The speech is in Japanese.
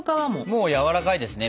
もうやわらかいですね